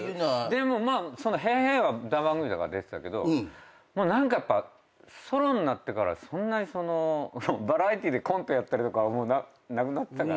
でもまあ『ＨＥＹ！ＨＥＹ！』は歌番組だから出てたけど何かやっぱソロになってからそんなにバラエティーでコントやったりとかはなくなってたから。